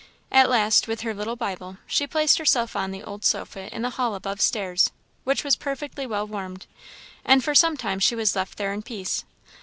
At last, with her little Bible, she placed herself on the old sofa in the hall above stairs, which was perfectly well warmed, and for some time she was left there in peace.